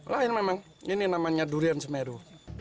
lain memang ini namanya durian semeru